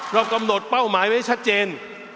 เรากำหนดเป้าหมายไว้ชัดเจน